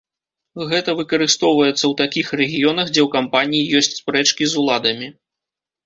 Гэта выкарыстоўваецца ў такіх рэгіёнах, дзе ў кампаніі ёсць спрэчкі з уладамі.